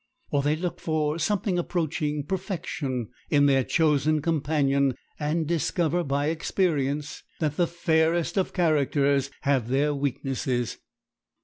Or, they look for something approaching perfection in their chosen companion, and discover by experience that the fairest of characters have their weaknesses.